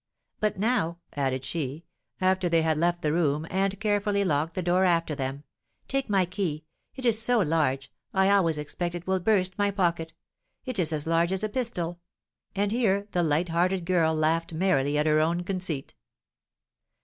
But now," added she, after they had left the room, and carefully locked the door after them, "take my key; it is so large, I always expect it will burst my pocket; it is as large as a pistol," and here the light hearted girl laughed merrily at her own conceit.